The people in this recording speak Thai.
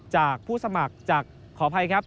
จากผู้สมัครจากขออภัยครับ